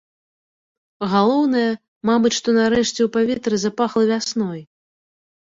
Галоўнае, мабыць, што нарэшце ў паветры запахла вясной.